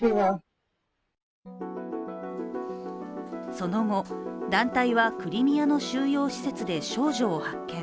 その後、団体はクリミアの収容施設で少女を発見。